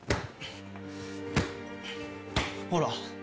ほら。